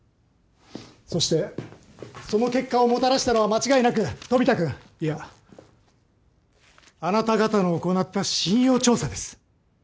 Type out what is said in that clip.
そしてその結果をもたらしたのは間違いなく飛田君いやあなた方の行った信用調査です。